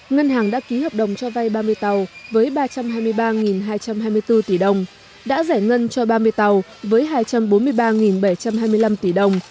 ngân hàng đã ký hợp đồng cho vay ba mươi tàu với ba trăm hai mươi ba hai trăm hai mươi bốn tỷ đồng đã giải ngân cho ba mươi tàu với hai trăm bốn mươi ba bảy trăm hai mươi năm tỷ đồng